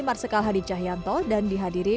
marsikal hadi cahyanto dan dihadiri